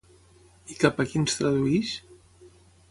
I cap a quins tradueix?